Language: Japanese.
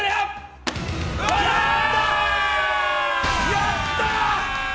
やったー！